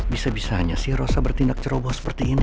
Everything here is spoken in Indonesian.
bisa bisanya sih rosa bertindak ceroboh seperti ini